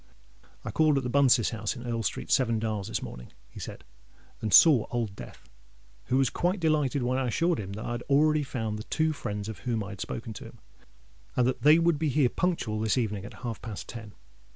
"I called at the Bunces' house in Earl Street, Seven Dials, this morning," he said, "and saw Old Death, who was quite delighted when I assured him that I had already found the two friends of whom I had spoken to him, and that that they would be here punctual this evening at half past ten.